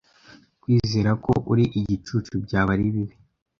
kwizera ko uri igicucu byaba ari bibi